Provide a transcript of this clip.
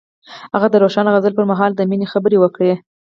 هغه د روښانه غزل پر مهال د مینې خبرې وکړې.